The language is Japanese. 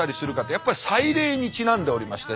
やっぱり祭礼にちなんでおりまして。